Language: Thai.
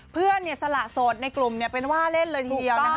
เพื่อนสละโสดในกลุ่มเป็นว่าเล่นเลยทีเดียวนะคะ